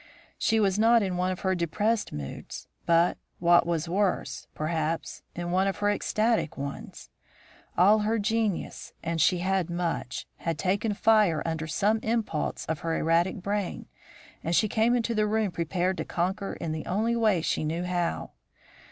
She was not in one of her depressed moods, but, what was worse, perhaps, in one of her ecstatic ones. All her genius, and she had much, had taken fire under some impulse of her erratic brain, and she came into the room prepared to conquer in the only way she knew how.